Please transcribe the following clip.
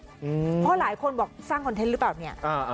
เพราะหลายคนบอกสร้างคอนเทนต์หรือเปล่าเนี่ย